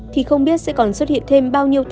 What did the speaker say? thì không biết sẽ còn xuất hiện thêm